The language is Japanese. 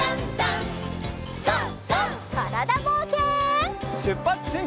からだぼうけん。